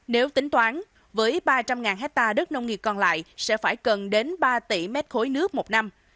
nếu tính toán với ba trăm linh ha đất nông nghiệp còn lại sẽ phải cần đến ba tỷ m ba nước một năm